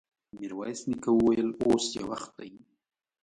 ميرويس نيکه وويل: اوس يې وخت دی!